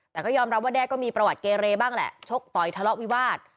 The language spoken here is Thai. แต่ก็ยอมรับว่าแด้ก็มีประวัติเกเรบ้างแหละชกต่อยทะเลาะวิวาส